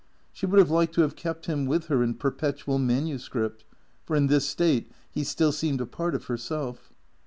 She would have liked to have kept him with her in perpetual manuscript, for in this state he still seemed a part of herself.